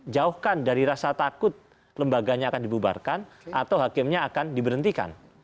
jauhkan dari rasa takut lembaganya akan dibubarkan atau hakimnya akan diberhentikan